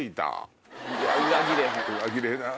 裏切れない。